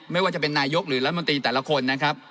ไม่ว่าจะเป็นนายกหรือรัฐมนตรีแต่ละคนนะครับ